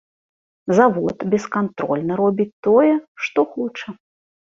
Завод бескантрольна робіць тое, што хоча.